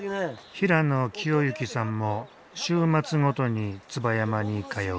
平野清幸さんも週末ごとに椿山に通う。